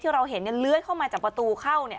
ที่เราเห็นเนี้ยเลื้อยเข้ามาจากประตูเข้าเนี้ย